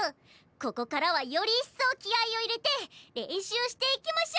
ここからはより一層気合いを入れて練習していきましょ！